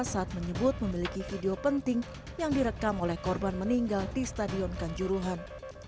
saat menyebut memiliki video penting yang direkam oleh korban meninggal di stadion kanjuruhan